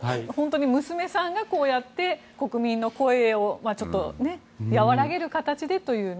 娘さんがこうやって国民の声をちょっと和らげる形でというね。